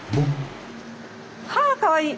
あらかわいい！